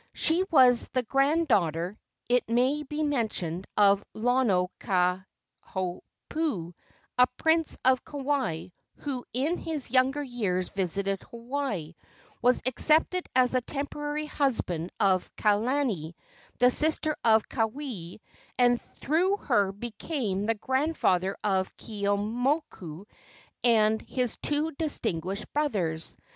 She was the granddaughter, it may be mentioned, of Lonoikahaupu, a prince of Kauai, who in his younger years visited Hawaii, was accepted as the temporary husband of Kalani, the sister of Keawe, and through her became the grandfather of Keeaumoku and his two distinguished brothers.